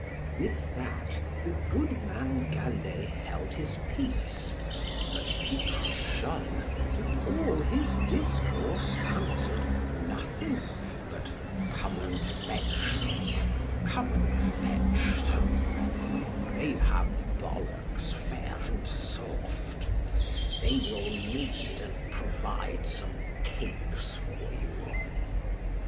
With that the good man Gallet held his peace, but Picrochole to all his discourse answered nothing but Come and fetch them, come and fetch them, they have ballocks fair and soft, they will knead and provide some cakes for you.